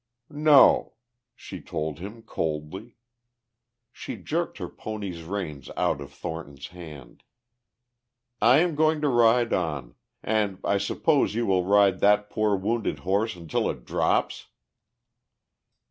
"No," she told him coldly. She jerked her pony's reins out of Thornton's hand. "I am going to ride on. And I suppose you will ride that poor wounded horse until it drops!"